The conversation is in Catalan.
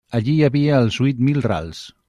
Allí hi havia els huit mil rals.